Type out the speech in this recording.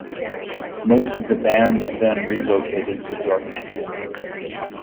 Most of the band then relocated to Dortmund.